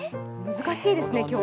難しいですね、今日は。